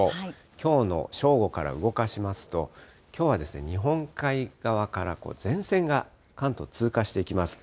きょうの正午から動かしますと、きょうは日本海側から前線が関東を通過していきます。